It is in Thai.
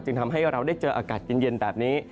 ทำให้เราได้เจออากาศเย็นแบบนี้